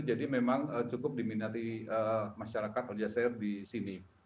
jadi memang cukup diminati masyarakat oleh saya di sini